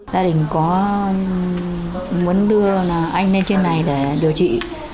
gia đình có muốn đưa anh lên trên này để điều trị